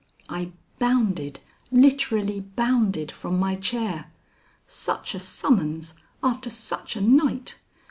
I bounded, literally bounded from my chair. Such a summons, after such a night!